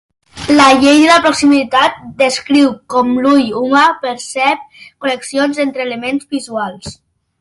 La llei de la proximitat descriu com l'ull humà percep connexions entre elements visuals.